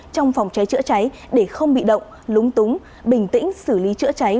trong phòng cháy chữa cháy để không bị động lúng túng bình tĩnh xử lý chữa cháy